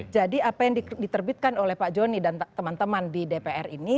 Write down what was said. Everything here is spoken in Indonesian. jadi apa yang diterbitkan oleh pak joni dan teman teman di dpr ini